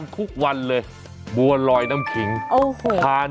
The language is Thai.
ใช้เมียได้ตลอด